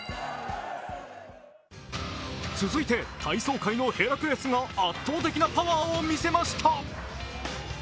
続いて体操界のヘラクレスが圧倒的なパワーを見せました。